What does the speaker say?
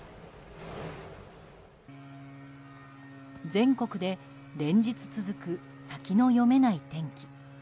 全国で連日続く先の読めない天気。